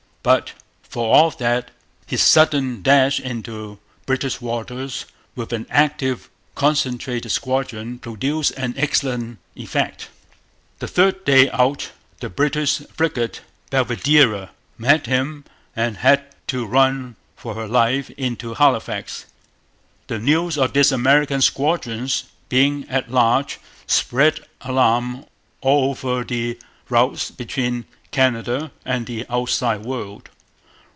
But, for all that, his sudden dash into British waters with an active, concentrated squadron produced an excellent effect. The third day out the British frigate Belvidera met him and had to run for her life into Halifax. The news of this American squadron's being at large spread alarm all over the routes between Canada and the outside world.